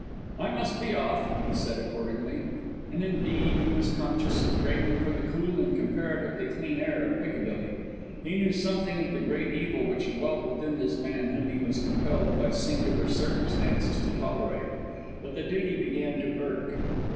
"I must be off," he said accordingly. And indeed he was conscious of a craving for the cool and comparatively clean air of Piccadilly. He knew something of the great evil which dwelt within this man whom he was compelled, by singular circumstances, to tolerate. But the duty began to irk.